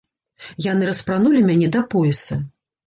Яны распранулі мяне да пояса.